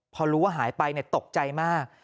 พอรู้ว่าหายไปตกใจมาก